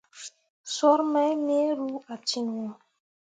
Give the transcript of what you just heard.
Soor mai me ru a ciŋwo.